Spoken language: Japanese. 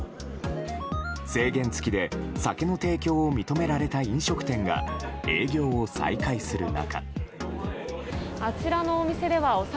制限付きで酒の提供を認められた飲食店が営業を再開する中。